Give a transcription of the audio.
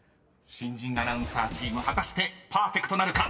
［新人アナウンサーチーム果たしてパーフェクトなるか？］